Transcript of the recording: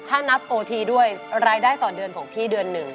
ถ้านับโอทีด้วยรายได้ต่อเดือนของพี่เดือนหนึ่ง